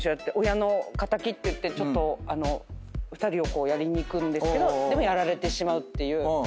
親の敵って言って２人をやりにいくんですけどでもやられてしまうっていうちょっと切ない。